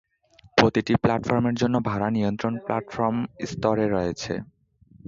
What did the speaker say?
প্রতিটি প্ল্যাটফর্মের জন্য ভাড়া নিয়ন্ত্রণ প্ল্যাটফর্ম স্তরে রয়েছে।